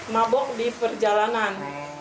mabok di perjalanan